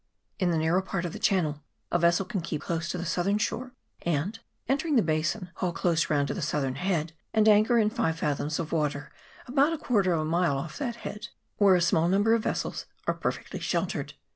In the narrow part of the channel a vessel can keep close to the southern shore ; and, entering the basin, haul close round the southern head, and anchor in five fathoms water about a quarter of a mile off that head, where a small number of vessels are perfectly sheltered.